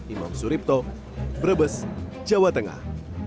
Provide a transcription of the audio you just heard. imam suripto brebes jawa tengah